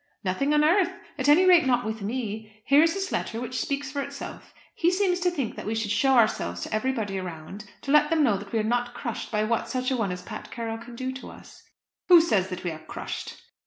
"Nothing on earth; at any rate not with me. Here is his letter, which speaks for itself. He seems to think that we should show ourselves to everybody around, to let them know that we are not crushed by what such a one as Pat Carroll can do to us." "Who says that we are crushed?"